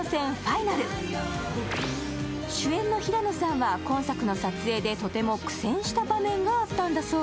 主演の平野さんは今作の撮影でとても苦戦した場面があったんだそう。